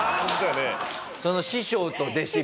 その師匠と弟子。